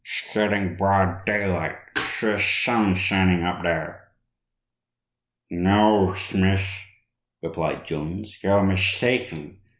Shgetting broad daylight. Theresh sun shining up there.' "'No, Shmith,' replied Jones, 'you're mistaken.